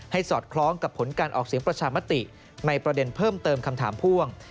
สอดคล้องกับผลการออกเสียงประชามติในประเด็นเพิ่มเติมคำถามพ่วง